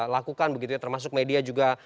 lakukan begitu ya termasuk media juga